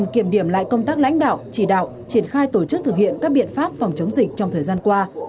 kiểm điểm lại công tác lãnh đạo chỉ đạo triển khai tổ chức thực hiện các biện pháp phòng chống dịch trong thời gian qua